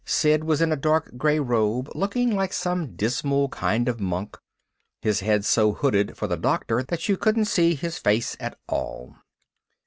Sid was in a dark gray robe looking like some dismal kind of monk, his head so hooded for the Doctor that you couldn't see his face at all.